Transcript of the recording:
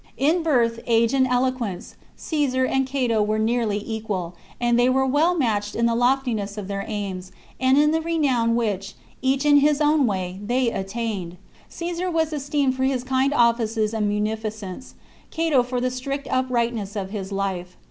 In birth, age, and eloquence, Caesar and Cato chap. were nearly equal ; and they were well matched in the loftiness of their aims, and in the renown which, each in his own way, they attained. Caesar was esteemed for his kind offices and munificence ; Cato for the strict uprightness of his life.